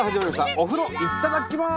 お風呂いっただっきます！